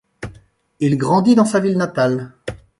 Il grandit dans sa ville natale.